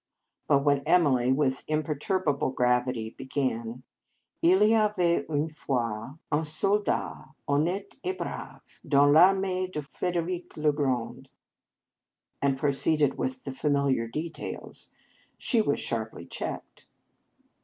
But when Emily with im perturbable gravity began :" II y avait une fois un soldat, honnete et brave, dans Parmee de Frederic le Grand," and proceeded with the familiar de tails, she was sharply checked.